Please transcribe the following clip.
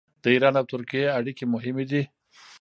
د ایران او ترکیې اړیکې مهمې دي.